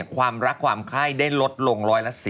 ความรักความไข้ได้ลดลง๑๔๐